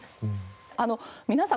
皆さん